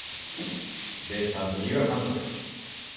ベイスターズ、三浦監督。